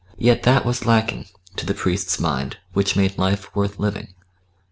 Yet that was lacking, to the priest's mind, which made life worth living....